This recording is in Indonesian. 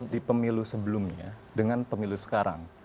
di pemilu sebelumnya dengan pemilu sekarang